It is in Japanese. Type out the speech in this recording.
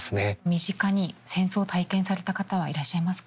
身近に戦争を体験された方はいらっしゃいますか？